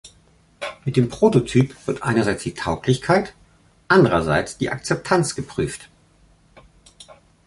Mit dem Prototyp wird einerseits die Tauglichkeit, andererseits die Akzeptanz geprüft.